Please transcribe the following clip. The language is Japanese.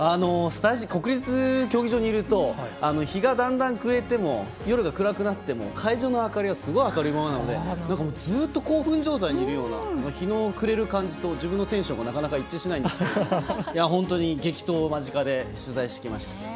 国立競技場にいると日がだんだん暮れても夜が暗くなっても会場の明かりがすごい明るいままなのでずっと興奮状態にいるような日の暮れるような感じと自分のテンションがなかなか一致しないんですけど本当に激闘を間近で取材してきました。